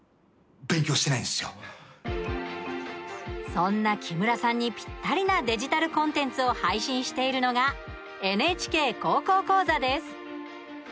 そんな木村さんにぴったりなデジタルコンテンツを配信しているのが「ＮＨＫ高校講座」です。